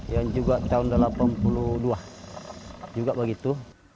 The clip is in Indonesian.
yang juga tahun seribu sembilan ratus delapan puluh dua juga begitu